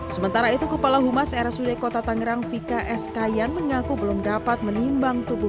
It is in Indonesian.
sementara itu kepala humas rsud kota tangerang vika skyan mengaku belum dapat menimbang tubuh